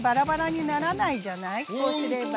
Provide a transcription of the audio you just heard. こうすれば。